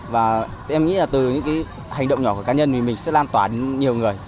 và em nghĩ là từ những cái hành động nhỏ của cá nhân thì mình sẽ lan tỏa đến nhiều người